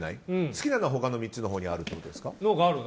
好きなのは他の３つにあるってことですか。